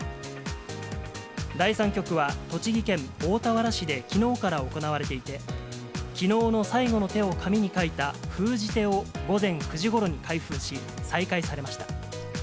第３局は栃木県大田原市できのうから行われていて、きのうの最後の手を紙に書いた封じ手を午前９時ごろに開封し、再開されました。